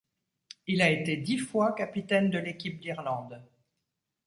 Il a été dix fois capitaine de l'équipe d'Irlande.